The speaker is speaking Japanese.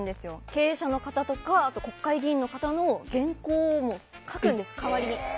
経営者の方とか国会議員の方の原稿を書くんです、代わりに。